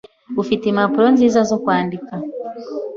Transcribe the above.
Ufite impapuro nziza zo kwandika?